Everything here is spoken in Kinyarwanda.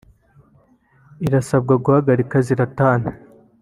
Irasabwa guhagarika Zlatan